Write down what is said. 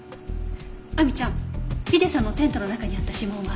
亜美ちゃんヒデさんのテントの中にあった指紋は？